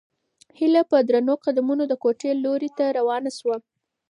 هیله په درنو قدمونو د کوټې لوري ته روانه شوه.